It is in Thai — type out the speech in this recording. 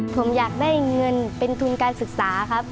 ผมอยากได้เงินเป็นทุนการศึกษาครับ